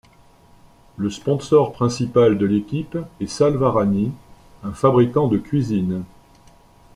Le sponsor principal de l'équipe est Salvarani, un fabricant de cuisines.